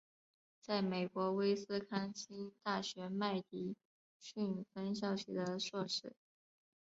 在美国威斯康辛大学麦迪逊分校取得硕士。